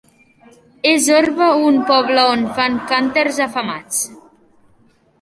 És Orba un poble on fan cànters afamats.